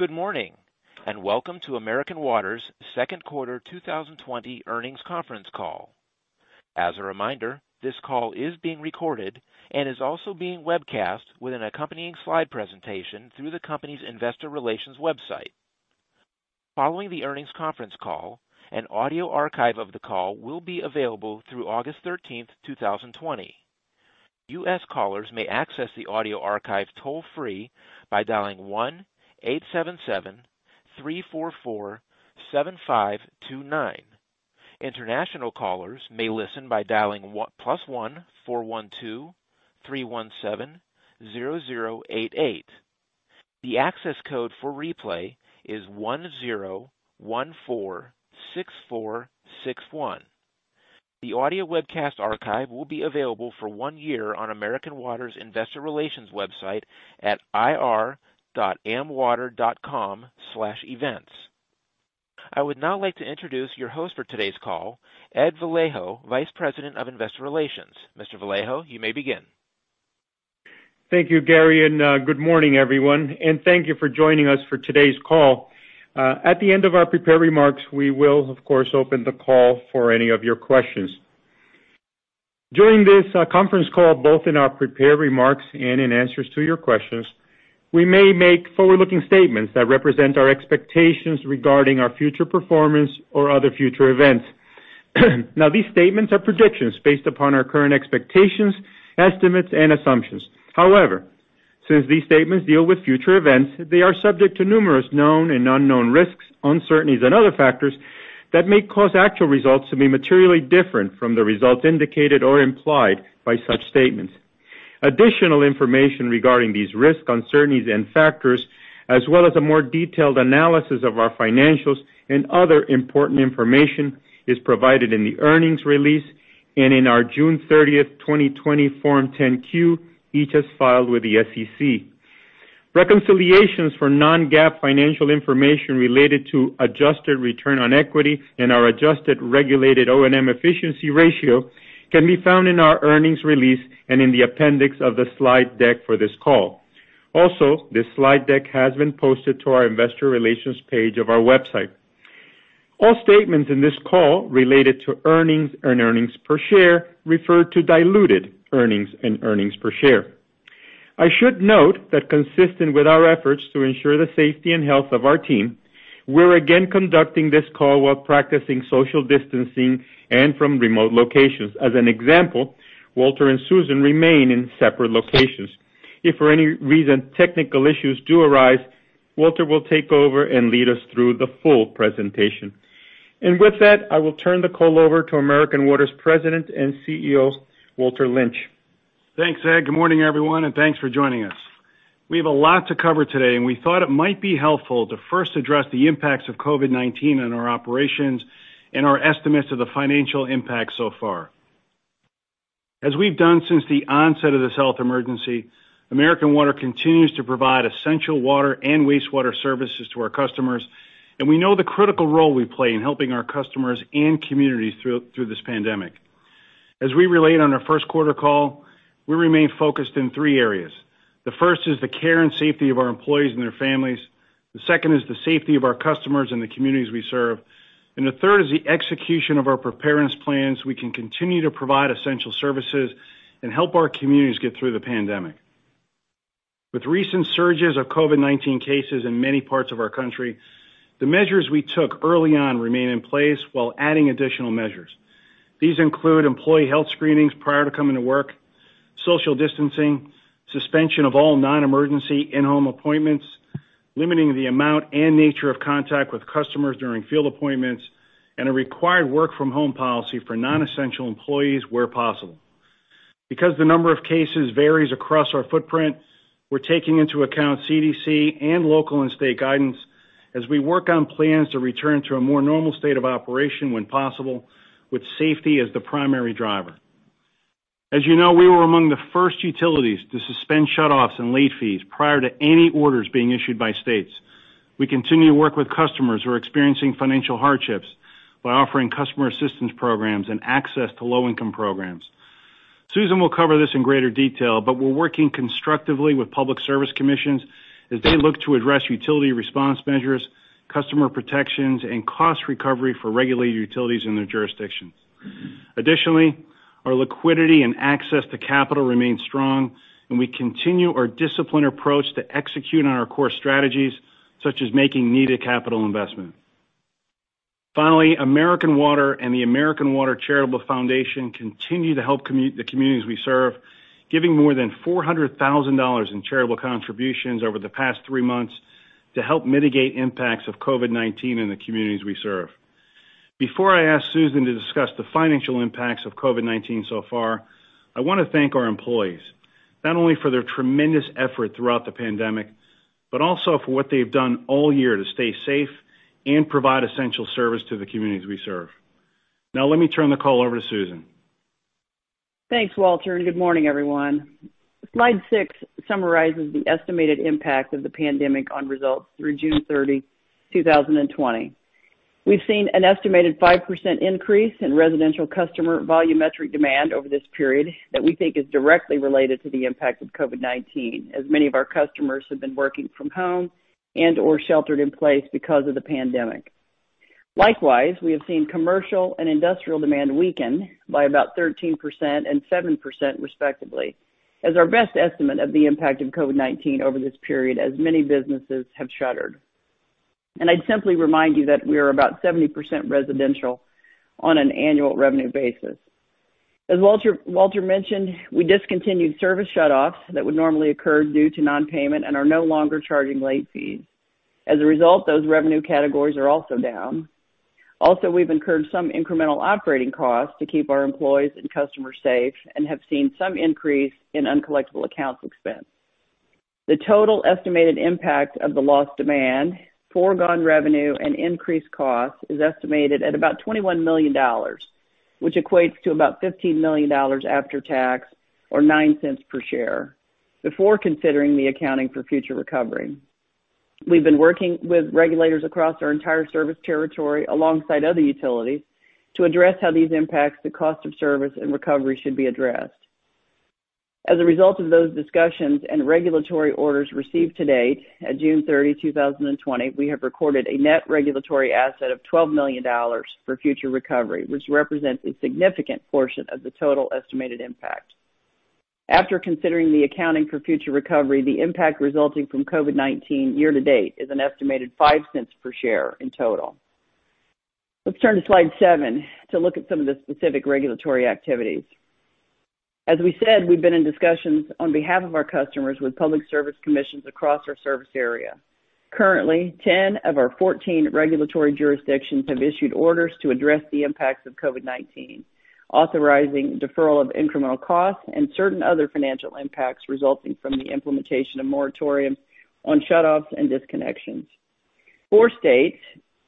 Good morning, and welcome to American Water's second quarter 2020 earnings conference call. As a reminder, this call is being recorded and is also being webcast with an accompanying slide presentation through the company's investor relations website. Following the earnings conference call, an audio archive of the call will be available through August 13th, 2020. U.S. callers may access the audio archive toll-free by dialing 1-877-344-7529. International callers may listen by dialing +1-412-317-0088. The access code for replay is 10146461. The audio webcast archive will be available for one year on American Water's investor relations website at ir.amwater.com/events. I would now like to introduce your host for today's call, Edward Vallejo, Vice President of Investor Relations. Mr. Vallejo, you may begin. Thank you, Gary, and good morning, everyone, and thank you for joining us for today's call. At the end of our prepared remarks, we will, of course, open the call for any of your questions. During this conference call, both in our prepared remarks and in answers to your questions, we may make forward-looking statements that represent our expectations regarding our future performance or other future events. These statements are predictions based upon our current expectations, estimates, and assumptions. Since these statements deal with future events, they are subject to numerous known and unknown risks, uncertainties, and other factors that may cause actual results to be materially different from the results indicated or implied by such statements. Additional information regarding these risks, uncertainties, and factors, as well as a more detailed analysis of our financials and other important information, is provided in the earnings release and in our June 30th, 2020 Form 10-Q, each as filed with the SEC. Reconciliations for non-GAAP financial information related to adjusted return on equity and our adjusted regulated O&M efficiency ratio can be found in our earnings release and in the appendix of the slide deck for this call. This slide deck has been posted to our investor relations page of our website. All statements in this call related to earnings and earnings per share refer to diluted earnings and earnings per share. I should note that consistent with our efforts to ensure the safety and health of our team, we're again conducting this call while practicing social distancing and from remote locations. As an example, Walter and Susan remain in separate locations. If for any reason technical issues do arise, Walter will take over and lead us through the full presentation. With that, I will turn the call over to American Water's President and CEO, Walter Lynch. Thanks, Ed. Good morning, everyone, thanks for joining us. We have a lot to cover today, and we thought it might be helpful to first address the impacts of COVID-19 on our operations and our estimates of the financial impact so far. As we've done since the onset of this health emergency, American Water continues to provide essential water and wastewater services to our customers, and we know the critical role we play in helping our customers and communities through this pandemic. As we relayed on our first quarter call, we remain focused in three areas. The first is the care and safety of our employees and their families. The second is the safety of our customers and the communities we serve. The third is the execution of our preparedness plans we can continue to provide essential services and help our communities get through the pandemic. With recent surges of COVID-19 cases in many parts of our country, the measures we took early on remain in place while adding additional measures. These include employee health screenings prior to coming to work, social distancing, suspension of all non-emergency in-home appointments, limiting the amount and nature of contact with customers during field appointments, and a required work from home policy for non-essential employees where possible. Because the number of cases varies across our footprint, we're taking into account CDC and local and state guidance as we work on plans to return to a more normal state of operation when possible, with safety as the primary driver. As you know, we were among the first utilities to suspend shutoffs and late fees prior to any orders being issued by states. We continue to work with customers who are experiencing financial hardships by offering customer assistance programs and access to low income programs. Susan will cover this in greater detail, we're working constructively with public service commissions as they look to address utility response measures, customer protections, and cost recovery for regulated utilities in their jurisdiction. Additionally, our liquidity and access to capital remains strong, and we continue our disciplined approach to execute on our core strategies, such as making needed capital investment. American Water and the American Water Charitable Foundation continue to help the communities we serve, giving more than $400,000 in charitable contributions over the past three months to help mitigate impacts of COVID-19 in the communities we serve. Before I ask Susan to discuss the financial impacts of COVID-19 so far, I want to thank our employees, not only for their tremendous effort throughout the pandemic, but also for what they've done all year to stay safe and provide essential service to the communities we serve. Now let me turn the call over to Susan. Thanks, Walter, and good morning, everyone. Slide six summarizes the estimated impact of the pandemic on results through June 30, 2020. We've seen an estimated 5% increase in residential customer volumetric demand over this period that we think is directly related to the impact of COVID-19, as many of our customers have been working from home and/or sheltered in place because of the pandemic. Likewise, we have seen commercial and industrial demand weaken by about 13% and 7% respectively, as our best estimate of the impact of COVID-19 over this period, as many businesses have shuttered. I'd simply remind you that we are about 70% residential on an annual revenue basis. As Walter mentioned, we discontinued service shutoffs that would normally occur due to non-payment and are no longer charging late fees. As a result, those revenue categories are also down. Also, we've incurred some incremental operating costs to keep our employees and customers safe and have seen some increase in uncollectible accounts expense. The total estimated impact of the lost demand, foregone revenue, and increased costs is estimated at about $21 million, which equates to about $15 million after tax, or $0.09 per share, before considering the accounting for future recovery. We've been working with regulators across our entire service territory, alongside other utilities, to address how these impacts the cost of service and recovery should be addressed. As a result of those discussions and regulatory orders received to-date at June 30, 2020, we have recorded a net regulatory asset of $12 million for future recovery, which represents a significant portion of the total estimated impact. After considering the accounting for future recovery, the impact resulting from COVID-19 year to date is an estimated $0.05 per share in total. Let's turn to slide seven to look at some of the specific regulatory activities. As we said, we've been in discussions on behalf of our customers with public service commissions across our service area. Currently, 10 of our 14 regulatory jurisdictions have issued orders to address the impacts of COVID-19, authorizing deferral of incremental costs and certain other financial impacts resulting from the implementation of moratoriums on shutoffs and disconnections. Four states,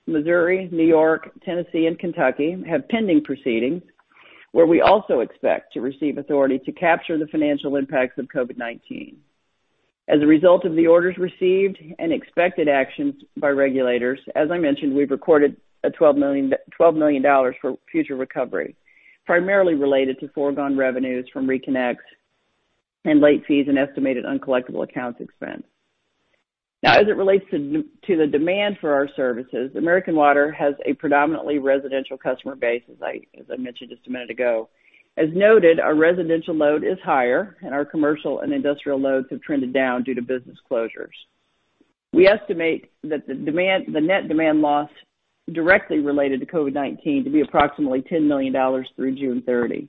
Missouri, New York, Tennessee, and Kentucky, have pending proceedings where we also expect to receive authority to capture the financial impacts of COVID-19. As a result of the orders received and expected actions by regulators, as I mentioned, we've recorded a $12 million for future recovery, primarily related to foregone revenues from reconnects and late fees and estimated uncollectible accounts expense. As it relates to the demand for our services, American Water has a predominantly residential customer base, as I mentioned just a minute ago. As noted, our residential load is higher, and our commercial and industrial loads have trended down due to business closures. We estimate that the net demand loss directly related to COVID-19 to be approximately $10 million through June 30.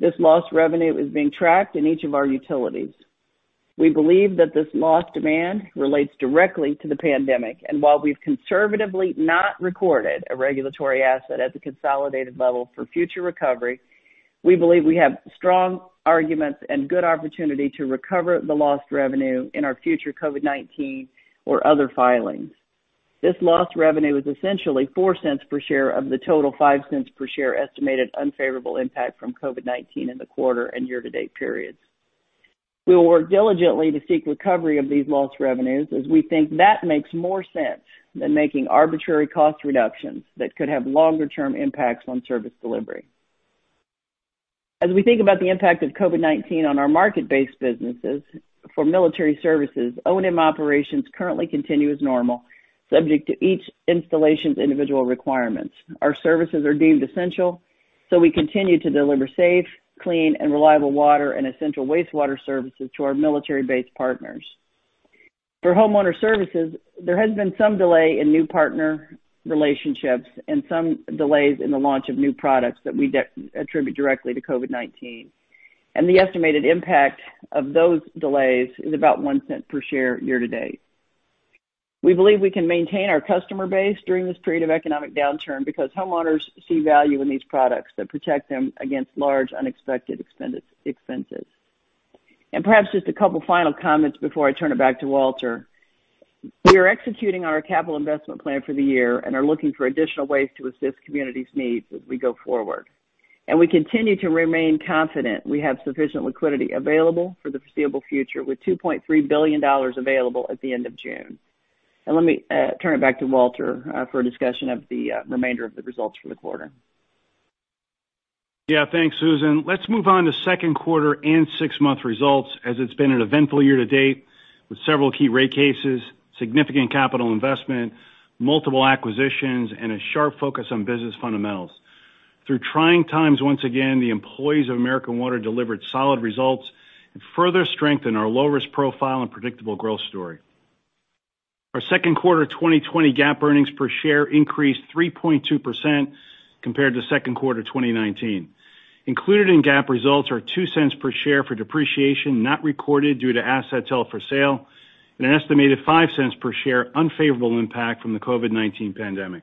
This lost revenue is being tracked in each of our utilities. We believe that this lost demand relates directly to the pandemic, and while we've conservatively not recorded a regulatory asset at the consolidated level for future recovery, we believe we have strong arguments and good opportunity to recover the lost revenue in our future COVID-19 or other filings. This lost revenue is essentially $0.04 per share of the total $0.05 per share estimated unfavorable impact from COVID-19 in the quarter and year-to-date periods. We will work diligently to seek recovery of these lost revenues, as we think that makes more sense than making arbitrary cost reductions that could have longer-term impacts on service delivery. As we think about the impact of COVID-19 on our market-based businesses for military services, O&M operations currently continue as normal, subject to each installation's individual requirements. Our services are deemed essential, so we continue to deliver safe, clean, and reliable water and essential wastewater services to our military-based partners. For homeowner services, there has been some delay in new partner relationships and some delays in the launch of new products that we attribute directly to COVID-19, and the estimated impact of those delays is about $0.01 per share year-to-date. We believe we can maintain our customer base during this period of economic downturn because homeowners see value in these products that protect them against large, unexpected expenses. Perhaps just a couple final comments before I turn it back to Walter. We are executing our capital investment plan for the year and are looking for additional ways to assist communities' needs as we go forward, and we continue to remain confident we have sufficient liquidity available for the foreseeable future, with $2.3 billion available at the end of June. Let me turn it back to Walter for a discussion of the remainder of the results for the quarter. Thanks, Susan. Let's move on to second quarter and six-month results, as it's been an eventful year-to-date, with several key rate cases, significant capital investment, multiple acquisitions, and a sharp focus on business fundamentals. Through trying times once again, the employees of American Water delivered solid results and further strengthened our low-risk profile and predictable growth story. Our second quarter 2020 GAAP earnings per share increased 3.2% compared to second quarter 2019. Included in GAAP results are $0.02 per share for depreciation not recorded due to assets held for sale and an estimated $0.05 per share unfavorable impact from the COVID-19 pandemic.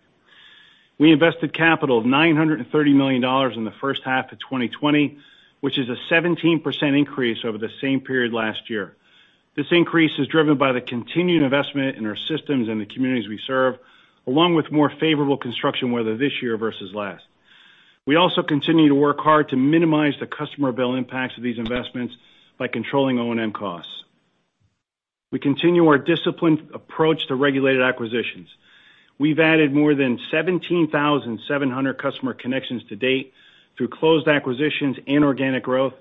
We invested capital of $930 million in the first half of 2020, which is a 17% increase over the same period last year. This increase is driven by the continued investment in our systems and the communities we serve, along with more favorable construction weather this year versus last. We also continue to work hard to minimize the customer bill impacts of these investments by controlling O&M costs. We continue our disciplined approach to regulated acquisitions. We've added more than 17,700 customer connections to date through closed acquisitions and organic growth,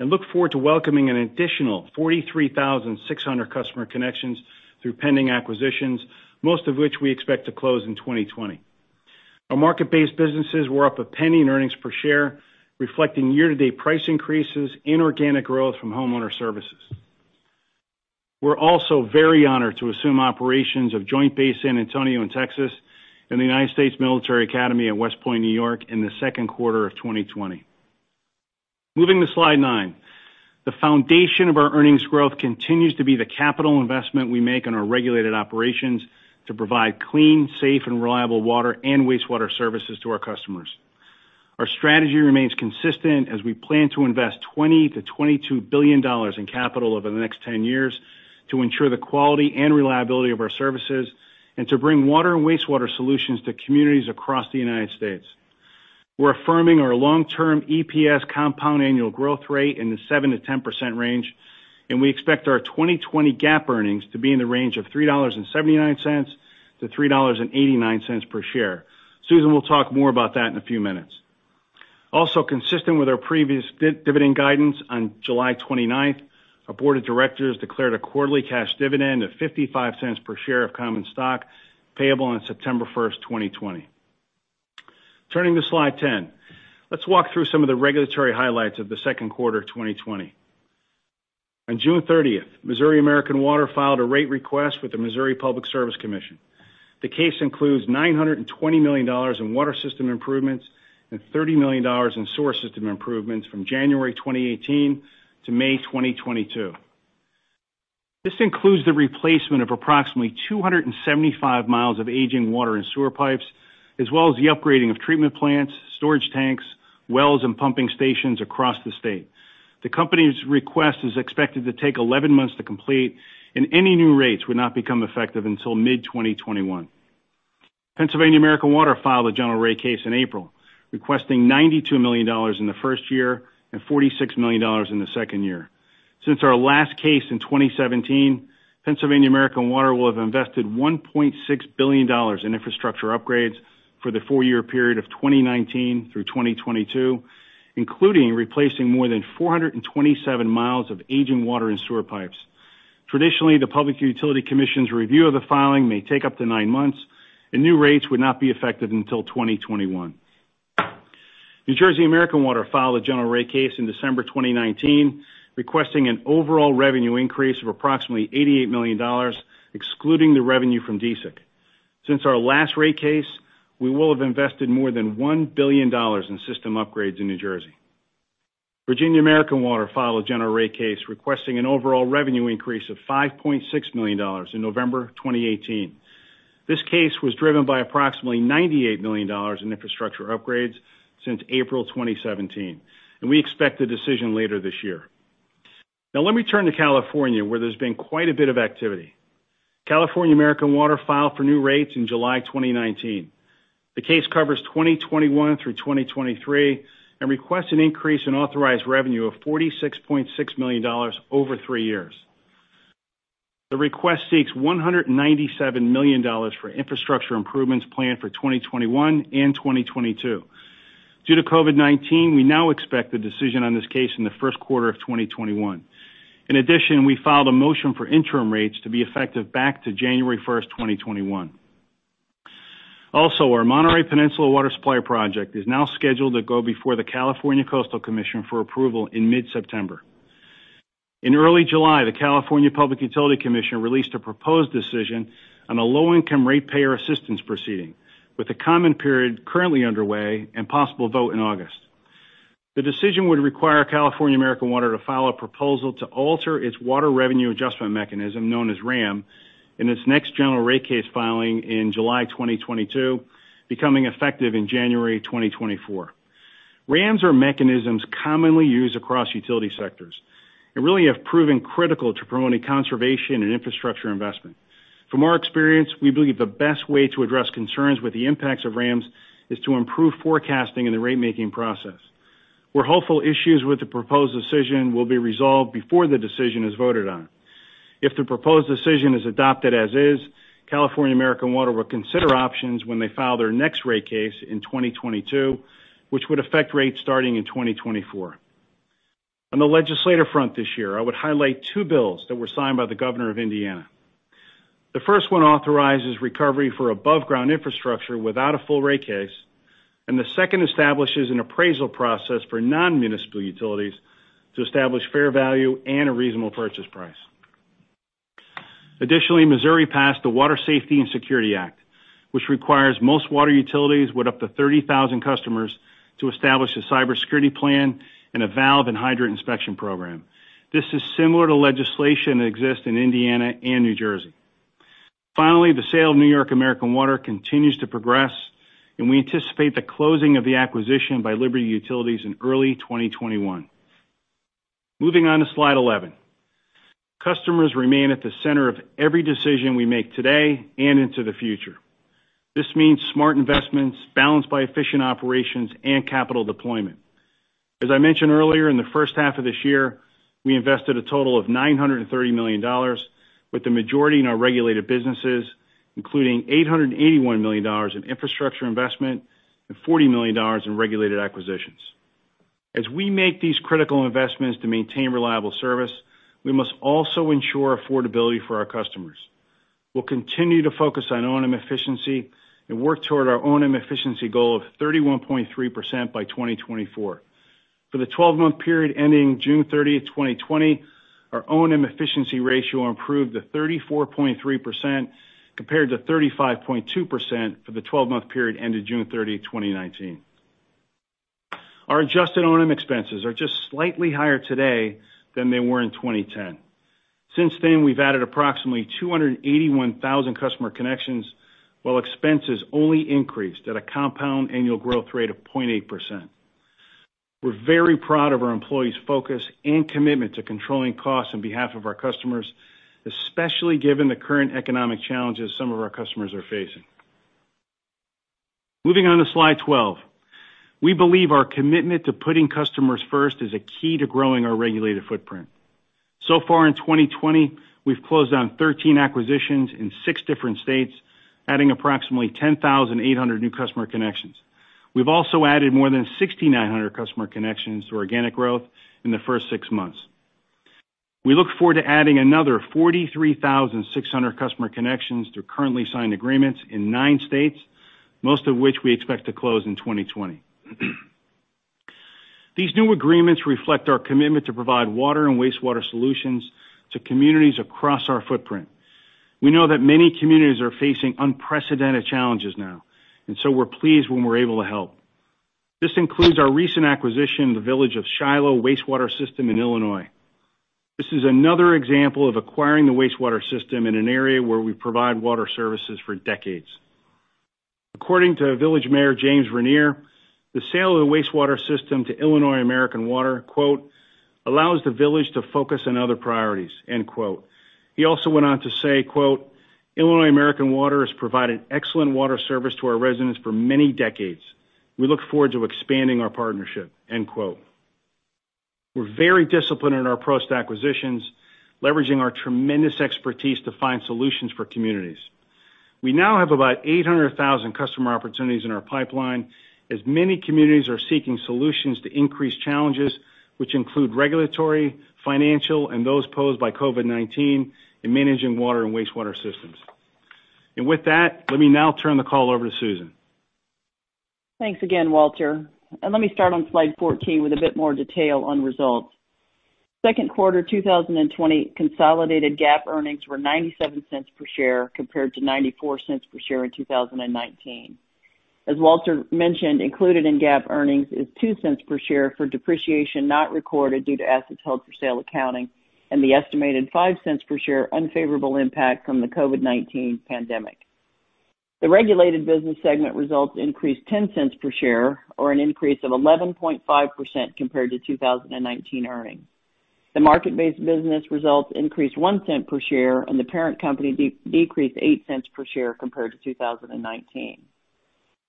and look forward to welcoming an additional 43,600 customer connections through pending acquisitions, most of which we expect to close in 2020. Our market-based businesses were up $0.01 in earnings per share, reflecting year-to-date price increases in organic growth from Homeowner Services. We're also very honored to assume operations of Joint Base San Antonio in Texas and the United States Military Academy at West Point, N.Y. in the second quarter of 2020. Moving to slide nine. The foundation of our earnings growth continues to be the capital investment we make in our regulated operations to provide clean, safe, and reliable water and wastewater services to our customers. Our strategy remains consistent as we plan to invest $20 billion-$22 billion in capital over the next 10 years to ensure the quality and reliability of our services, and to bring water and wastewater solutions to communities across the United States. We're affirming our long-term EPS compound annual growth rate in the 7%-10% range, and we expect our 2020 GAAP earnings to be in the range of $3.79-$3.89 per share. Susan will talk more about that in a few minutes. Consistent with our previous dividend guidance on July 29th, our board of directors declared a quarterly cash dividend of $0.55 per share of common stock payable on September 1st, 2020. Turning to slide 10. Let's walk through some of the regulatory highlights of the second quarter of 2020. On June 30th, Missouri American Water filed a rate request with the Missouri Public Service Commission. The case includes $920 million in water system improvements and $30 million in sewer system improvements from January 2018 to May 2022. This includes the replacement of approximately 275 miles of aging water and sewer pipes, as well as the upgrading of treatment plants, storage tanks, wells, and pumping stations across the state. The company's request is expected to take 11 months to complete, and any new rates would not become effective until mid-2021. Pennsylvania American Water filed a general rate case in April, requesting $92 million in the first year and $46 million in the second year. Since our last case in 2017, Pennsylvania American Water will have invested $1.6 billion in infrastructure upgrades for the four-year period of 2019 through 2022, including replacing more than 427 miles of aging water and sewer pipes. Traditionally, the Public Utility Commission's review of the filing may take up to nine months, and new rates would not be effective until 2021. New Jersey American Water filed a general rate case in December 2019, requesting an overall revenue increase of approximately $88 million, excluding the revenue from DSIC. Since our last rate case, we will have invested more than $1 billion in system upgrades in New Jersey. Virginia American Water filed a general rate case requesting an overall revenue increase of $5.6 million in November 2018. This case was driven by approximately $98 million in infrastructure upgrades since April 2017, and we expect a decision later this year. Let me turn to California, where there's been quite a bit of activity. California American Water filed for new rates in July 2019. The case covers 2021 through 2023 and requests an increase in authorized revenue of $46.6 million over three years. The request seeks $197 million for infrastructure improvements planned for 2021 and 2022. Due to COVID-19, we now expect the decision on this case in the first quarter of 2021. We filed a motion for interim rates to be effective back to January 1st, 2021. Our Monterey Peninsula Water Supply Project is now scheduled to go before the California Coastal Commission for approval in mid-September. Early July, the California Public Utilities Commission released a proposed decision on a low-income ratepayer assistance proceeding, with a comment period currently underway and possible vote in August. The decision would require California American Water to file a proposal to alter its Water Revenue Adjustment Mechanism, known as WRAM, in its next general rate case filing in July 2022, becoming effective in January 2024. WRAMs are mechanisms commonly used across utility sectors and really have proven critical to promoting conservation and infrastructure investment. From our experience, we believe the best way to address concerns with the impacts of WRAMs is to improve forecasting in the rate-making process. We're hopeful issues with the proposed decision will be resolved before the decision is voted on. If the proposed decision is adopted as is, California American Water will consider options when they file their next rate case in 2022, which would affect rates starting in 2024. On the legislative front this year, I would highlight two bills that were signed by the Governor of Indiana. The first one authorizes recovery for above-ground infrastructure without a full rate case. The second establishes an appraisal process for non-municipal utilities to establish fair value and a reasonable purchase price. Additionally, Missouri passed the Water Safety and Security Act, which requires most water utilities with up to 30,000 customers to establish a cybersecurity plan and a valve and hydrant inspection program. This is similar to legislation that exists in Indiana and New Jersey. Finally, the sale of New York American Water continues to progress. We anticipate the closing of the acquisition by Liberty Utilities in early 2021. Moving on to slide 11. Customers remain at the center of every decision we make today and into the future. This means smart investments balanced by efficient operations and capital deployment. As I mentioned earlier, in the first half of this year, we invested a total of $930 million, with the majority in our regulated businesses, including $881 million in infrastructure investment and $40 million in regulated acquisitions. As we make these critical investments to maintain reliable service, we must also ensure affordability for our customers. We'll continue to focus on O&M efficiency and work toward our O&M efficiency goal of 31.3% by 2024. For the 12-month period ending June 30th, 2020, our O&M efficiency ratio improved to 34.3% compared to 35.2% for the 12-month period ended June 30, 2019. Our adjusted O&M expenses are just slightly higher today than they were in 2010. Since then, we've added approximately 281,000 customer connections, while expenses only increased at a compound annual growth rate of 0.8%. We're very proud of our employees' focus and commitment to controlling costs on behalf of our customers, especially given the current economic challenges some of our customers are facing. Moving on to slide 12. We believe our commitment to putting customers first is a key to growing our regulated footprint. So far in 2020, we've closed on 13 acquisitions in six different states, adding approximately 10,800 new customer connections. We've also added more than 6,900 customer connections to organic growth in the first six months. We look forward to adding another 43,600 customer connections through currently signed agreements in nine states, most of which we expect to close in 2020. These new agreements reflect our commitment to provide water and wastewater solutions to communities across our footprint. We know that many communities are facing unprecedented challenges now, we're pleased when we're able to help. This includes our recent acquisition of the Village of Shiloh wastewater system in Illinois. This is another example of acquiring the wastewater system in an area where we provide water services for decades. According to Village Mayor James Vernier, the sale of the wastewater system to Illinois American Water, "Allows the village to focus on other priorities." He also went on to say, "Illinois American Water has provided excellent water service to our residents for many decades. We look forward to expanding our partnership." We're very disciplined in our post-acquisitions, leveraging our tremendous expertise to find solutions for communities. We now have about 800,000 customer opportunities in our pipeline, as many communities are seeking solutions to increased challenges, which include regulatory, financial, and those posed by COVID-19 in managing water and wastewater systems. With that, let me now turn the call over to Susan. Thanks again, Walter. Let me start on slide 14 with a bit more detail on results. Second quarter 2020 consolidated GAAP earnings were $0.97 per share compared to $0.94 per share in 2019. As Walter mentioned, included in GAAP earnings is $0.02 per share for depreciation not recorded due to assets held for sale accounting and the estimated $0.05 per share unfavorable impact from the COVID-19 pandemic. The regulated business segment results increased $0.10 per share or an increase of 11.5% compared to 2019 earnings. The market-based business results increased $0.01 per share, and the parent company decreased $0.08 per share compared to 2019.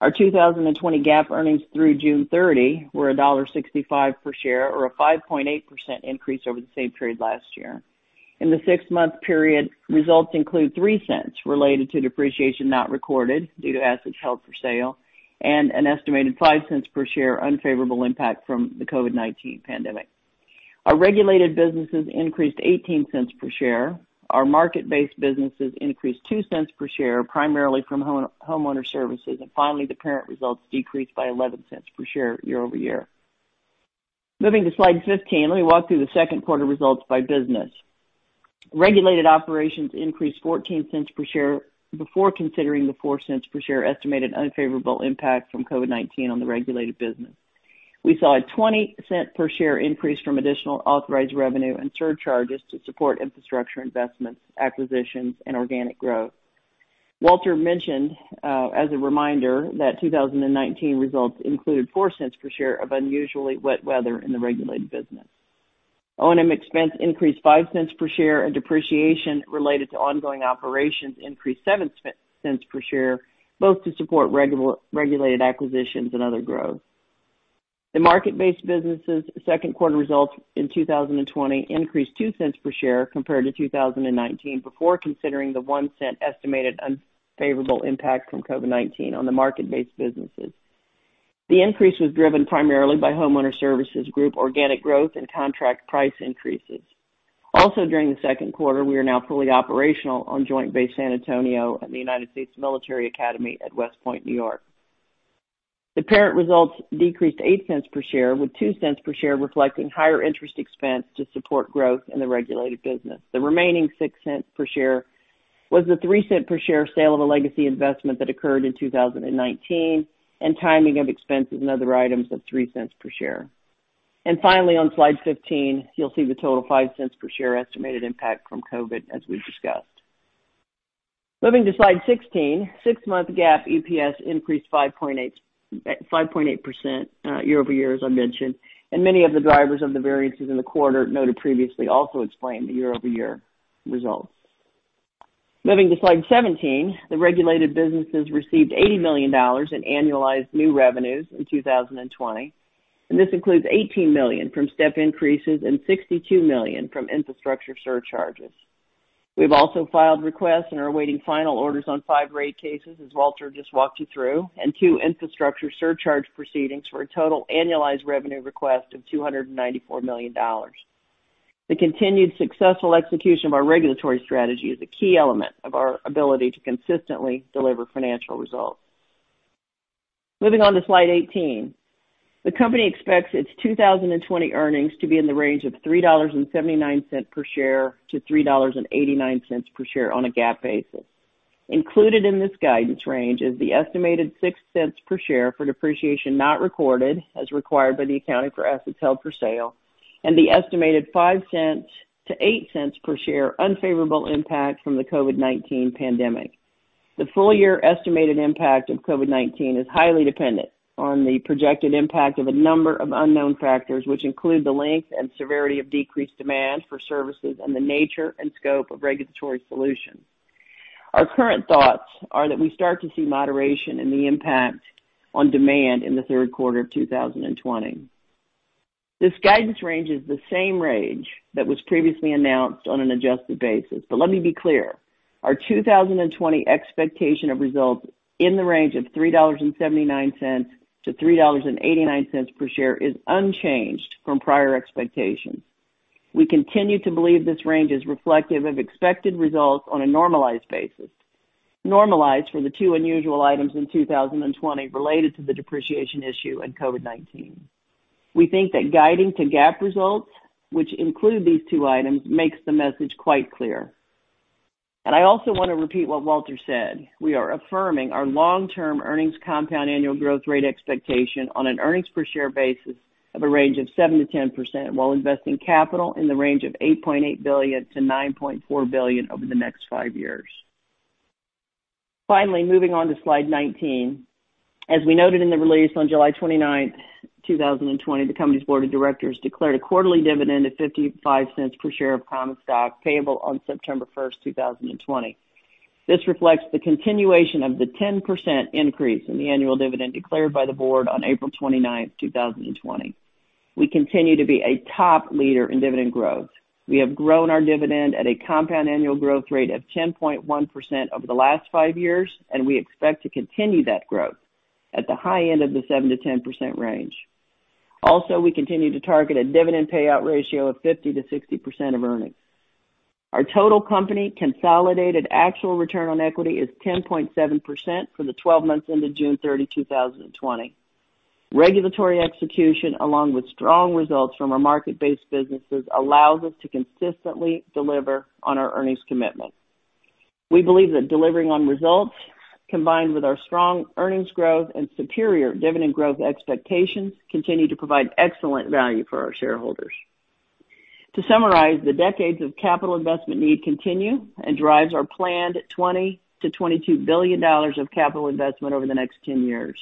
Our 2020 GAAP earnings through June 30 were $1.65 per share or a 5.8% increase over the same period last year. In the six-month period, results include $0.03 related to depreciation not recorded due to assets held for sale and an estimated $0.05 per share unfavorable impact from the COVID-19 pandemic. Our regulated businesses increased $0.18 per share. Our market-based businesses increased $0.02 per share, primarily from Homeowner Services. Finally, the parent results decreased by $0.11 per share year-over-year. Moving to slide 15, let me walk through the second quarter results by business. Regulated operations increased $0.14 per share before considering the $0.04 per share estimated unfavorable impact from COVID-19 on the regulated business. We saw a $0.20 per share increase from additional authorized revenue and surcharges to support infrastructure investments, acquisitions, and organic growth. Walter mentioned, as a reminder, that 2019 results included $0.04 per share of unusually wet weather in the regulated business. O&M expense increased $0.05 per share, and depreciation related to ongoing operations increased $0.07 per share, both to support regulated acquisitions and other growth. The market-based businesses' second quarter results in 2020 increased $0.02 per share compared to 2019 before considering the $0.01 estimated unfavorable impact from COVID-19 on the market-based businesses. The increase was driven primarily by Homeowner Services Group organic growth and contract price increases. Also, during the second quarter, we are now fully operational on Joint Base San Antonio and the United States Military Academy at West Point, New York. The parent results decreased $0.08 per share, with $0.02 per share reflecting higher interest expense to support growth in the regulated business. The remaining $0.06 per share was the $0.03 per share sale of a legacy investment that occurred in 2019 and timing of expenses and other items of $0.03 per share. Finally, on slide 15, you'll see the total $0.05 per share estimated impact from COVID, as we've discussed. Moving to slide 16, six-month GAAP EPS increased 5.8% year-over-year, as I mentioned, and many of the drivers of the variances in the quarter noted previously also explain the year-over-year results. Moving to slide 17, the regulated businesses received $80 million in annualized new revenues in 2020, and this includes $18 million from step increases and $62 million from infrastructure surcharges. We've also filed requests and are awaiting final orders on five rate cases, as Walter just walked you through, and two infrastructure surcharge proceedings for a total annualized revenue request of $294 million. The continued successful execution of our regulatory strategy is a key element of our ability to consistently deliver financial results. Moving on to slide 18. The company expects its 2020 earnings to be in the range of $3.79 per share to $3.89 per share on a GAAP basis. Included in this guidance range is the estimated $0.06 per share for depreciation not recorded as required by the accounting for assets held for sale, and the estimated $0.05 to $0.08 per share unfavorable impact from the COVID-19 pandemic. The full-year estimated impact of COVID-19 is highly dependent on the projected impact of a number of unknown factors, which include the length and severity of decreased demand for services and the nature and scope of regulatory solutions. Our current thoughts are that we start to see moderation in the impact on demand in the third quarter of 2020. This guidance range is the same range that was previously announced on an adjusted basis, but let me be clear, our 2020 expectation of results in the range of $3.79-$3.89 per share is unchanged from prior expectations. We continue to believe this range is reflective of expected results on a normalized basis, normalized for the two unusual items in 2020 related to the depreciation issue and COVID-19. We think that guiding to GAAP results, which include these two items makes the message quite clear. I also want to repeat what Walter said, we are affirming our long-term earnings compound annual growth rate expectation on an earnings per share basis of a range of 7%-10% while investing capital in the range of $8.8 billion-$9.4 billion over the next five years. Finally, moving on to slide 19. As we noted in the release on July 29th, 2020, the company's board of directors declared a quarterly dividend of $0.55 per share of common stock payable on September 1st, 2020. This reflects the continuation of the 10% increase in the annual dividend declared by the board on April 29th, 2020. We continue to be a top leader in dividend growth. We have grown our dividend at a compound annual growth rate of 10.1% over the last five years, and we expect to continue that growth at the high end of the 7%-10% range. We continue to target a dividend payout ratio of 50%-60% of earnings. Our total company consolidated actual return on equity is 10.7% for the 12 months ended June 30th, 2020. Regulatory execution, along with strong results from our market-based businesses, allows us to consistently deliver on our earnings commitment. We believe that delivering on results, combined with our strong earnings growth and superior dividend growth expectations, continue to provide excellent value for our shareholders. To summarize, the decades of capital investment need continue and drives our planned $20 billion-$22 billion of capital investment over the next 10 years.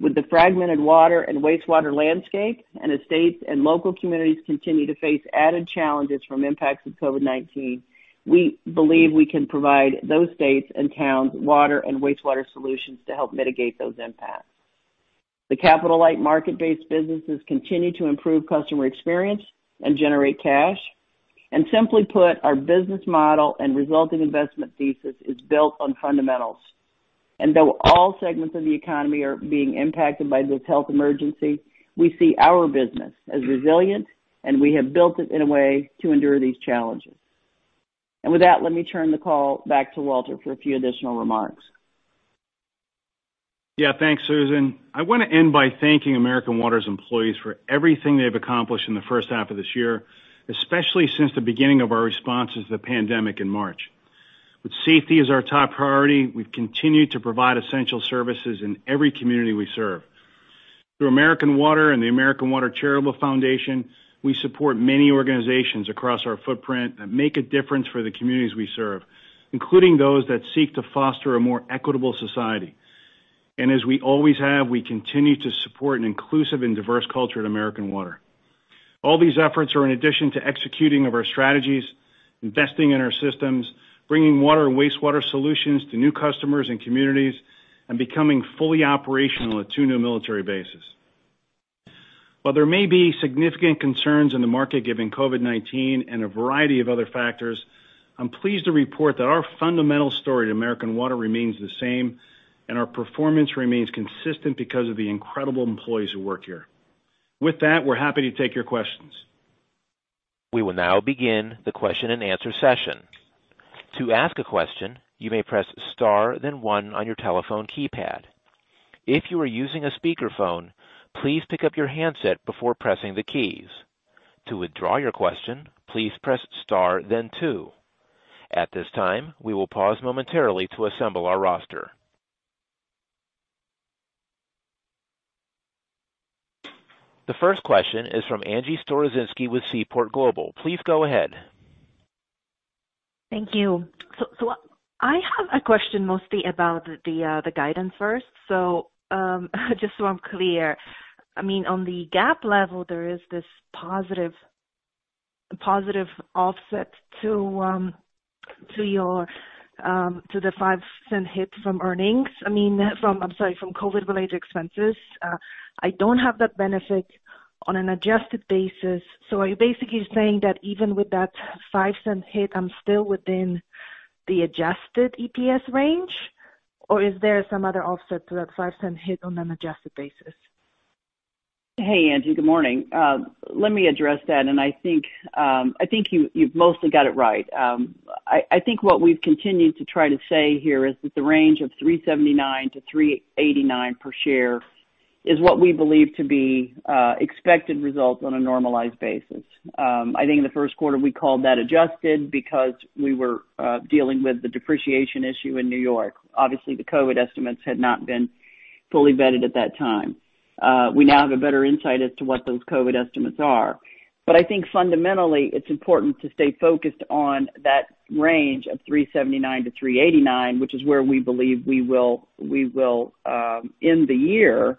With the fragmented water and wastewater landscape and as states and local communities continue to face added challenges from impacts of COVID-19, we believe we can provide those states and towns water and wastewater solutions to help mitigate those impacts. The capital-light market-based businesses continue to improve customer experience and generate cash. Simply put, our business model and resulting investment thesis is built on fundamentals. Though all segments of the economy are being impacted by this health emergency, we see our business as resilient, and we have built it in a way to endure these challenges. With that, let me turn the call back to Walter for a few additional remarks. Thanks, Susan. I want to end by thanking American Water's employees for everything they've accomplished in the first half of this year, especially since the beginning of our response to the pandemic in March. With safety as our top priority, we've continued to provide essential services in every community we serve. Through American Water and the American Water Charitable Foundation, we support many organizations across our footprint that make a difference for the communities we serve, including those that seek to foster a more equitable society. As we always have, we continue to support an inclusive and diverse culture at American Water. All these efforts are in addition to executing of our strategies, investing in our systems, bringing water and wastewater solutions to new customers and communities, and becoming fully operational at two new military bases. While there may be significant concerns in the market given COVID-19 and a variety of other factors, I'm pleased to report that our fundamental story at American Water remains the same, and our performance remains consistent because of the incredible employees who work here. With that, we're happy to take your questions. We will now begin the question and answer session. To ask a question, you may press star then one on your telephone keypad. If you are using a speakerphone, please pick up your handset before pressing the keys. To widthraw your question, please press star then two. At this time, we will pause momentarily to assemble our roster. The first question is from Angie Storozynski with Seaport Global. Please go ahead. Thank you. I have a question mostly about the guidance first. Just so I'm clear, on the GAAP level, there is this positive offset to the $0.05 hit from earnings. From COVID-related expenses. I don't have that benefit on an adjusted basis. Are you basically saying that even with that $0.05 hit, I'm still within the adjusted EPS range? Is there some other offset to that $0.05 hit on an adjusted basis? Hey, Angie. Good morning. Let me address that, and I think you've mostly got it right. I think what we've continued to try to say here is that the range of $3.79-$3.89 per share is what we believe to be expected results on a normalized basis. I think in the first quarter, we called that adjusted because we were dealing with the depreciation issue in New York. Obviously, the COVID estimates had not been fully vetted at that time. We now have a better insight as to what those COVID estimates are. I think fundamentally, it's important to stay focused on that range of $3.79-$3.89, which is where we believe we will end the year.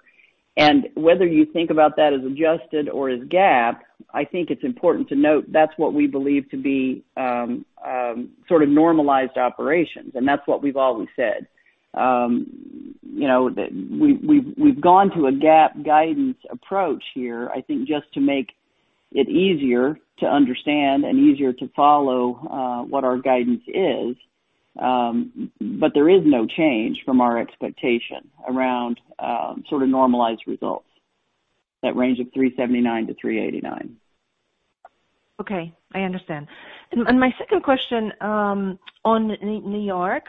Whether you think about that as adjusted or as GAAP, I think it's important to note that's what we believe to be sort of normalized operations. That's what we've always said. That we've gone to a GAAP guidance approach here, I think, just to make it easier to understand and easier to follow what our guidance is. There is no change from our expectation around sort of normalized results, that range of $3.79-$3.89. Okay, I understand. My second question on New York,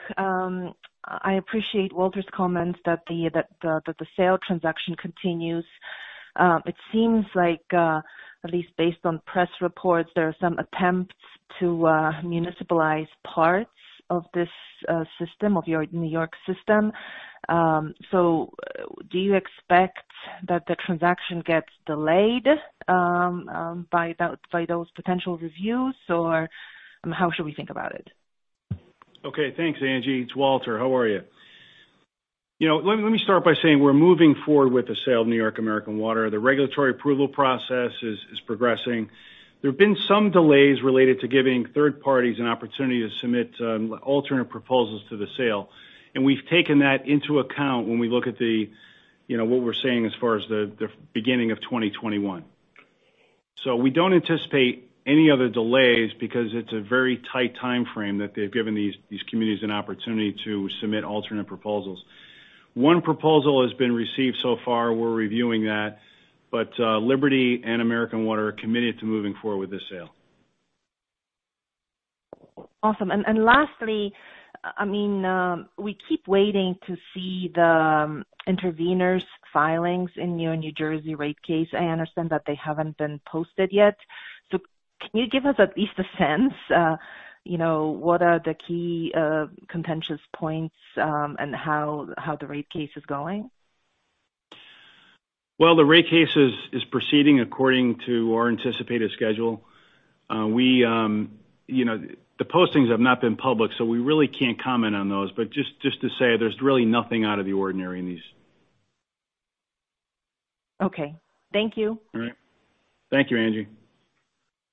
I appreciate Walter's comments that the sale transaction continues. It seems like, at least based on press reports, there are some attempts to municipalize parts of this system, of your New York system. Do you expect that the transaction gets delayed by those potential reviews? How should we think about it? Okay. Thanks, Angie. It's Walter. How are you? Let me start by saying we're moving forward with the sale of New York American Water. The regulatory approval process is progressing. There have been some delays related to giving third parties an opportunity to submit alternate proposals to the sale. We've taken that into account when we look at what we're saying as far as the beginning of 2021. We don't anticipate any other delays because it's a very tight timeframe that they've given these communities an opportunity to submit alternate proposals. One proposal has been received so far. We're reviewing that. Liberty and American Water are committed to moving forward with this sale. Awesome. Lastly, we keep waiting to see the interveners' filings in your New Jersey rate case. I understand that they haven't been posted yet. Can you give us at least a sense what are the key contentious points and how the rate case is going? Well, the rate case is proceeding according to our anticipated schedule. The postings have not been public, so we really can't comment on those. Just to say, there's really nothing out of the ordinary in these. Okay. Thank you. All right. Thank you, Angie.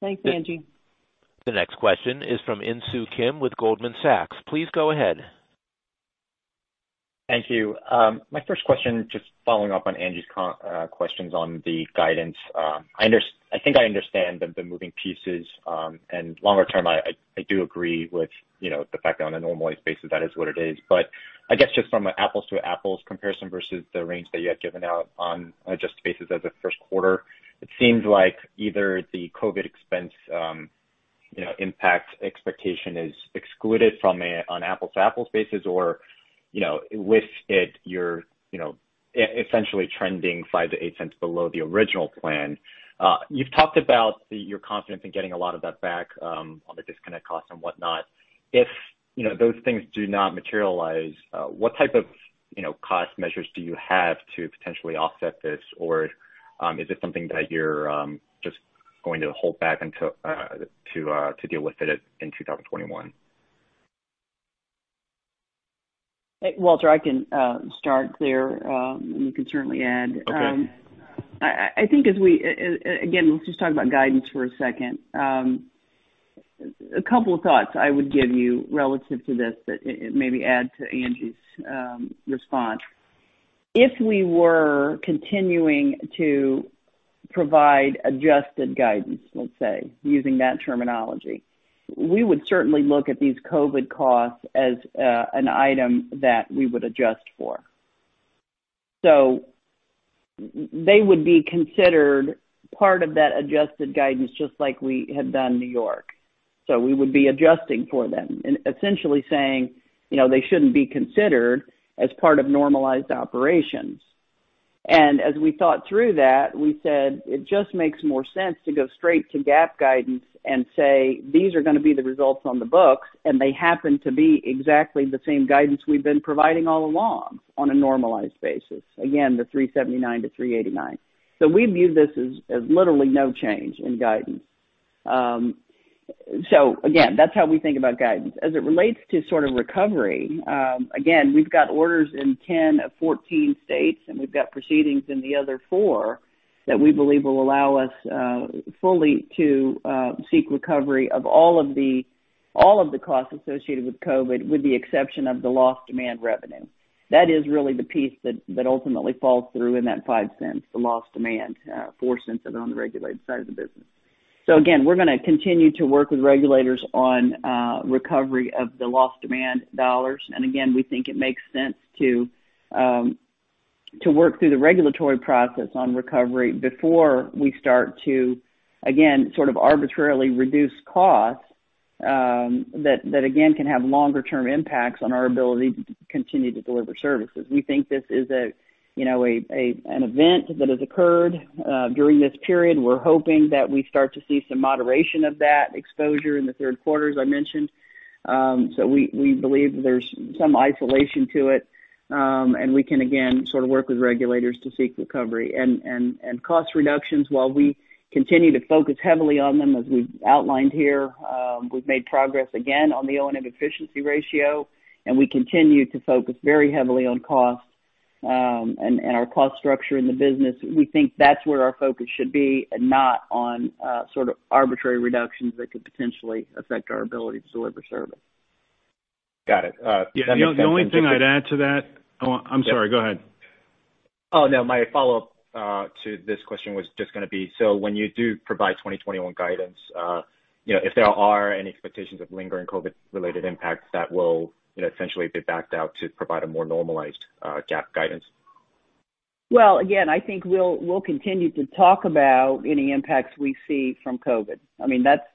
Thanks, Angie. The next question is from Insoo Kim with Goldman Sachs. Please go ahead. Thank you. My first question, just following up on Angie's questions on the guidance. I think I understand the moving pieces. Longer term, I do agree with the fact that on a normalized basis, that is what it is. I guess just from an apples to apples comparison versus the range that you had given out on adjusted basis as a first quarter, it seems like either the COVID expense impact expectation is excluded from it on apples to apples basis or with it, you're essentially trending $0.05-$0.08 below the original plan. You've talked about your confidence in getting a lot of that back on the disconnect costs and whatnot. If those things do not materialize, what type of cost measures do you have to potentially offset this? Is it something that you're just going to hold back to deal with it in 2021? Hey, Walter, I can start there. You can certainly add. Okay. Again, let's just talk about guidance for a second. A couple of thoughts I would give you relative to this that maybe add to Angie's response. If we were continuing to provide adjusted guidance, let's say, using that terminology, we would certainly look at these COVID costs as an item that we would adjust for. They would be considered part of that adjusted guidance, just like we had done New York. We would be adjusting for them and essentially saying they shouldn't be considered as part of normalized operations. As we thought through that, we said it just makes more sense to go straight to GAAP guidance and say, "These are going to be the results on the books," and they happen to be exactly the same guidance we've been providing all along on a normalized basis. Again, the $3.79-$3.89. We view this as literally no change in guidance. So again, that's how we think about guidance. As it relates to sort of recovery, again, we've got orders in 10 of 14 states, and we've got proceedings in the other four that we believe will allow us fully to seek recovery of all of the costs associated with COVID-19, with the exception of the lost demand revenue. That is really the piece that ultimately falls through in that $0.05, the lost demand, $0.04 of it on the regulated side of the business. Again, we're going to continue to work with regulators on recovery of the lost demand dollars. Again, we think it makes sense to work through the regulatory process on recovery before we start to, again, sort of arbitrarily reduce costs that again can have longer-term impacts on our ability to continue to deliver services. We think this is an event that has occurred during this period. We're hoping that we start to see some moderation of that exposure in the third quarter, as I mentioned. We believe there's some isolation to it, and we can again sort of work with regulators to seek recovery. Cost reductions, while we continue to focus heavily on them, as we've outlined here, we've made progress again on the O&M efficiency ratio, and we continue to focus very heavily on costs and our cost structure in the business. We think that's where our focus should be and not on sort of arbitrary reductions that could potentially affect our ability to deliver service. Got it. The only thing I'd add to that. Oh, I'm sorry. Go ahead. Oh, no, my follow-up to this question was just going to be, when you do provide 2021 guidance, if there are any expectations of lingering COVID-related impacts that will essentially be backed out to provide a more normalized GAAP guidance? Well, again, I think we'll continue to talk about any impacts we see from COVID.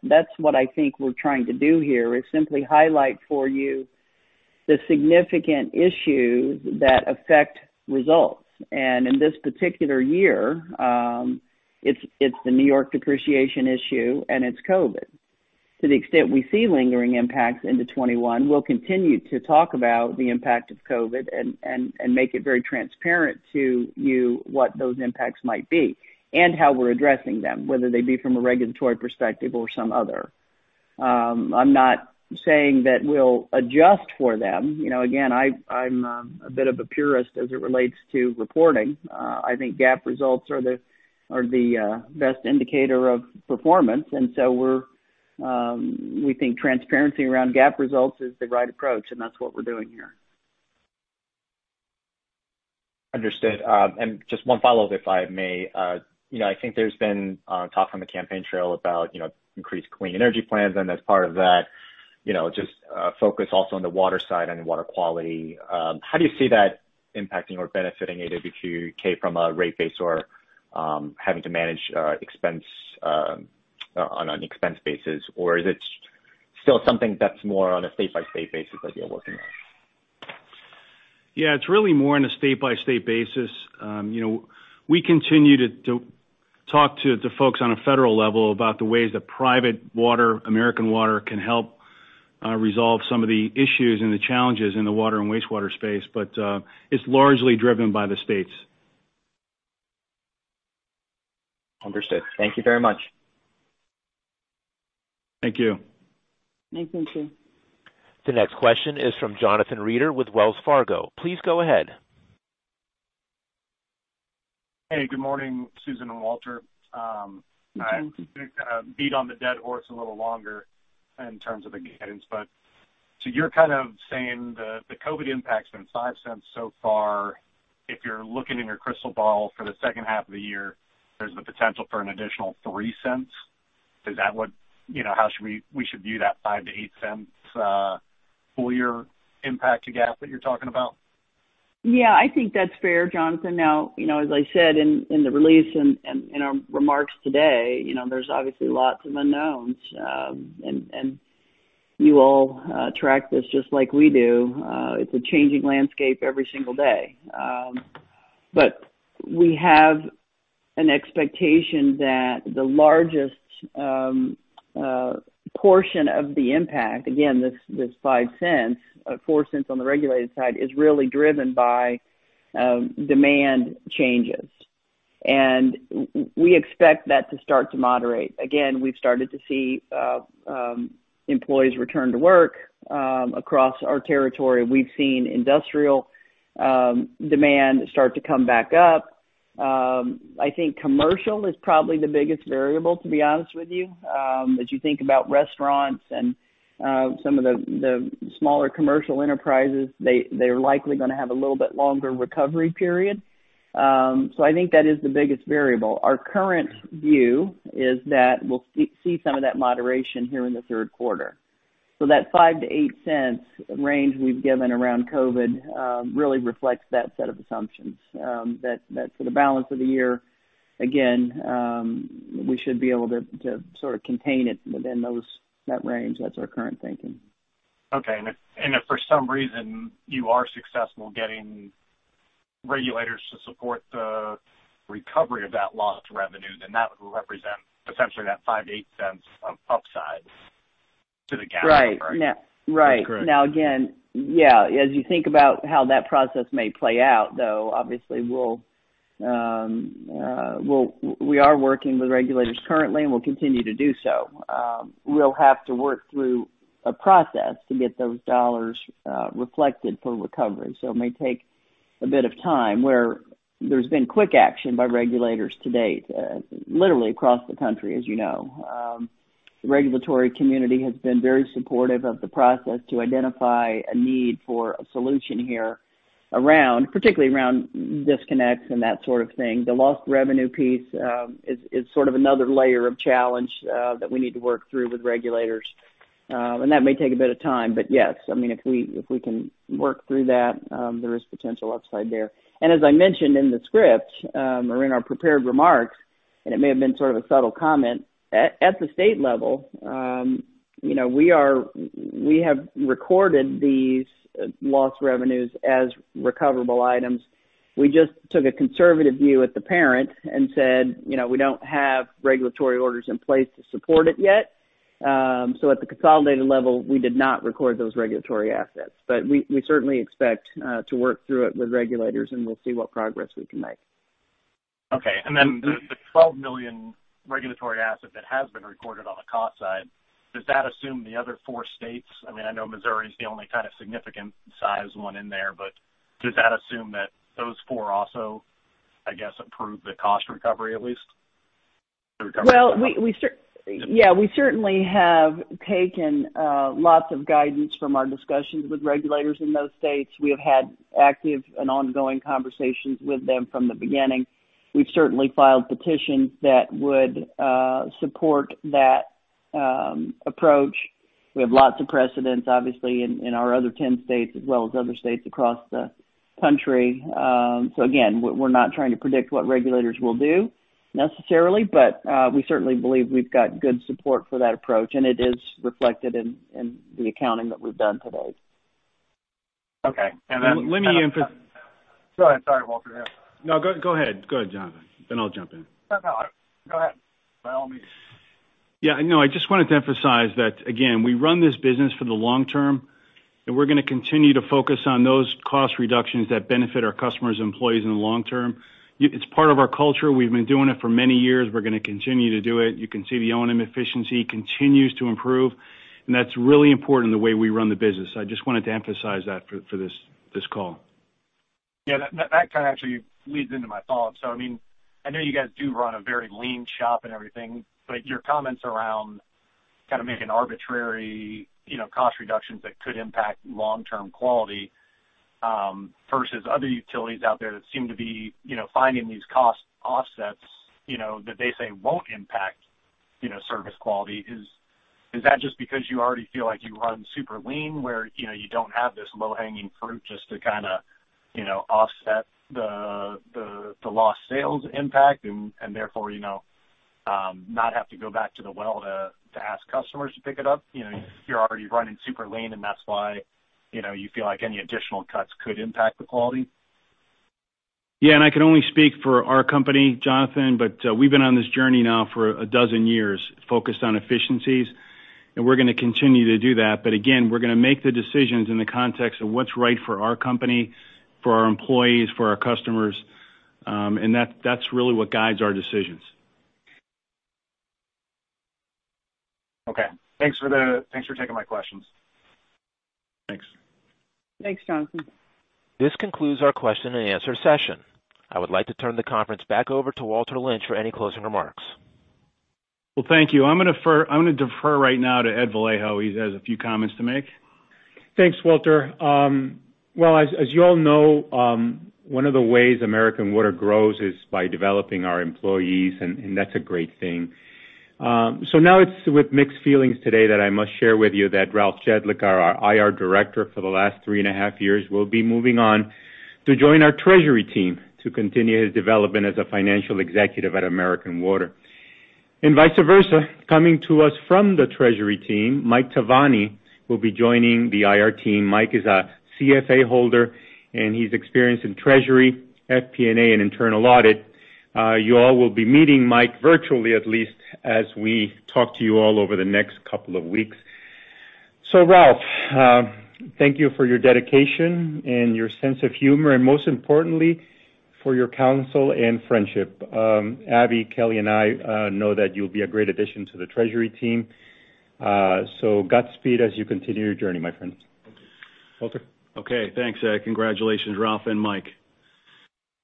That's what I think we're trying to do here, is simply highlight for you the significant issues that affect results. In this particular year, it's the New York depreciation issue, and it's COVID. To the extent we see lingering impacts into 2021, we'll continue to talk about the impact of COVID and make it very transparent to you what those impacts might be and how we're addressing them, whether they be from a regulatory perspective or some other. I'm not saying that we'll adjust for them. Again, I'm a bit of a purist as it relates to reporting. I think GAAP results are the best indicator of performance, we think transparency around GAAP results is the right approach, and that's what we're doing here. Understood. Just one follow-up, if I may. I think there's been talk on the campaign trail about increased clean energy plans and as part of that, just focus also on the water side and water quality. How do you see that impacting or benefiting AWK from a rate base or having to manage on an expense basis? Or is it still something that's more on a state-by-state basis that you're working on? Yeah, it's really more on a state-by-state basis. We continue to talk to folks on a federal level about the ways that private water, American Water, can help resolve some of the issues and the challenges in the water and wastewater space. It's largely driven by the states. Understood. Thank you very much. Thank you. Thank you. The next question is from Jonathan Reeder with Wells Fargo. Please go ahead. Hey, good morning, Susan and Walter. Good morning. I think beat on the dead horse a little longer in terms of the guidance. You're kind of saying the COVID impact's been $0.05 so far. If you're looking in your crystal ball for the second half of the year, there's the potential for an additional $0.03. We should view that $0.05-$0.08 full year impact to GAAP that you're talking about? Yeah, I think that's fair, Jonathan. Now, as I said in the release and in our remarks today, there's obviously lots of unknowns. You all track this just like we do. It's a changing landscape every single day. We have an expectation that the largest portion of the impact, again, this $0.05, $0.04 on the regulated side, is really driven by demand changes. We expect that to start to moderate. Again, we've started to see employees return to work across our territory. We've seen industrial demand start to come back up. I think commercial is probably the biggest variable, to be honest with you. As you think about restaurants and some of the smaller commercial enterprises, they're likely going to have a little bit longer recovery period. I think that is the biggest variable. Our current view is that we'll see some of that moderation here in the third quarter. That $0.05-$0.08 range we've given around COVID really reflects that set of assumptions. For the balance of the year, again, we should be able to sort of contain it within that range. That's our current thinking. Okay. If for some reason you are successful getting regulators to support the recovery of that lost revenue, then that will represent essentially that $0.05-$0.08 of upside to the GAAP, right? Right. That's correct. Again, as you think about how that process may play out, though, obviously we are working with regulators currently, and we'll continue to do so. We'll have to work through a process to get those dollars reflected for recovery. It may take a bit of time where there's been quick action by regulators to date, literally across the country, as you know. The regulatory community has been very supportive of the process to identify a need for a solution here, particularly around disconnects and that sort of thing. The lost revenue piece is sort of another layer of challenge that we need to work through with regulators. That may take a bit of time, but yes, if we can work through that, there is potential upside there. As I mentioned in the script, or in our prepared remarks, and it may have been sort of a subtle comment, at the state level, we have recorded these lost revenues as recoverable items. We just took a conservative view at the parent and said, we don't have regulatory orders in place to support it yet. At the consolidated level, we did not record those regulatory assets. We certainly expect to work through it with regulators, and we'll see what progress we can make. Okay. The $12 million regulatory asset that has been recorded on the cost side, does that assume the other four states? I know Missouri is the only kind of significant size one in there, does that assume that those four also, I guess, approve the cost recovery at least? We certainly have taken lots of guidance from our discussions with regulators in those states. We have had active and ongoing conversations with them from the beginning. We've certainly filed petitions that would support that approach. We have lots of precedents, obviously, in our other 10 states as well as other states across the country. Again, we're not trying to predict what regulators will do necessarily, but we certainly believe we've got good support for that approach, and it is reflected in the accounting that we've done today. Okay. Let me- Go ahead. Sorry, Walter. Yeah. No, go ahead, Jonathan. I'll jump in. No, go ahead. By all means. I just wanted to emphasize that, again, we run this business for the long term, and we're going to continue to focus on those cost reductions that benefit our customers and employees in the long term. It's part of our culture. We've been doing it for many years. We're going to continue to do it. You can see the O&M efficiency continues to improve, and that's really important in the way we run the business. I just wanted to emphasize that for this call. Yeah. That kind of actually leads into my thoughts. I know you guys do run a very lean shop and everything, but your comments around making arbitrary cost reductions that could impact long-term quality versus other utilities out there that seem to be finding these cost offsets that they say won't impact service quality. Is that just because you already feel like you run super lean, where you don't have this low-hanging fruit just to offset the lost sales impact and therefore, not have to go back to the well to ask customers to pick it up? You're already running super lean, and that's why you feel like any additional cuts could impact the quality? Yeah, I can only speak for our company, Jonathan, but we've been on this journey now for 12 years, focused on efficiencies. We're going to continue to do that. Again, we're going to make the decisions in the context of what's right for our company, for our employees, for our customers. That's really what guides our decisions. Okay. Thanks for taking my questions. Thanks. Thanks, Jonathan. This concludes our question and answer session. I would like to turn the conference back over to Walter Lynch for any closing remarks. Well, thank you. I'm going to defer right now to Ed Vallejo. He has a few comments to make. Thanks, Walter. Well, as you all know, one of the ways American Water grows is by developing our employees, and that's a great thing. Now it's with mixed feelings today that I must share with you that Ralph Jedlicka, our IR director for the last three and a half years, will be moving on to join our treasury team to continue his development as a financial executive at American Water. Vice versa, coming to us from the treasury team, Mike Tavani will be joining the IR team. Mike is a CFA holder, and he's experienced in treasury, FP&A, and internal audit. You all will be meeting Mike virtually, at least, as we talk to you all over the next couple of weeks. Ralph, thank you for your dedication and your sense of humor, and most importantly, for your counsel and friendship. Abby, Kelly, and I know that you'll be a great addition to the treasury team. Godspeed as you continue your journey, my friend. Walter? Okay. Thanks, Ed. Congratulations, Ralph and Mike.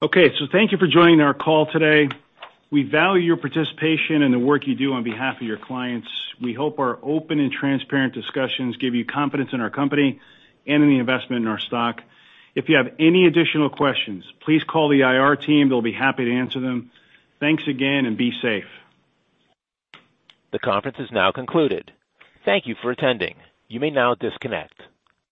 Okay. Thank you for joining our call today. We value your participation and the work you do on behalf of your clients. We hope our open and transparent discussions give you confidence in our company and in the investment in our stock. If you have any additional questions, please call the IR team. They'll be happy to answer them. Thanks again, and be safe. The conference is now concluded. Thank you for attending. You may now disconnect.